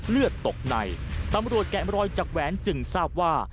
เลือดตกในตำรวจแกะมรอยจากแหวนจึงทราบว่า